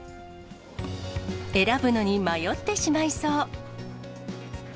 選ぶのに迷ってしまいそう。